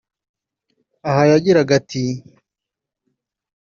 Aha yagiraga ati